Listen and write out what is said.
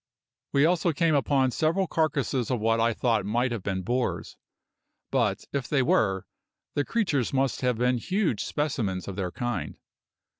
We also came upon several carcasses of what I thought might have been boars; but, if they were, the creatures must have been huge specimens of their kind.